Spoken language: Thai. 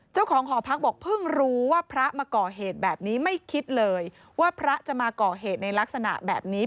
เจ้าของหอพักบอกเพิ่งรู้ว่าพระมาก่อเหตุแบบนี้ไม่คิดเลยว่าพระจะมาก่อเหตุในลักษณะแบบนี้